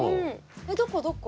えっどこどこ？